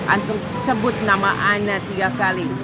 antum sebut nama anda tiga kali